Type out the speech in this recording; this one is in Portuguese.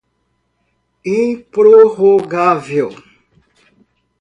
improrrogável